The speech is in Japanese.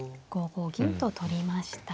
５五銀と取りました。